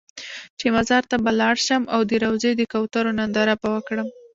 چې مزار ته به لاړ شم او د روضې د کوترو ننداره به وکړم.